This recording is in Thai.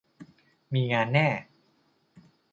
มีงานแน่